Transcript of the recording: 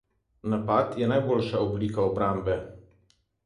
Napad je najboljša oblika obrambe.